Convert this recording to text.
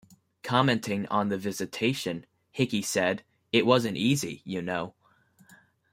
Commenting on the visitation, Hickey said, It wasn't easy, you know.